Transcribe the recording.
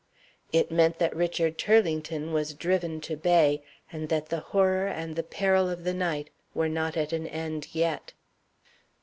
It meant that Richard Turlington was driven to bay, and that the horror and the peril of the night were not at an end yet.)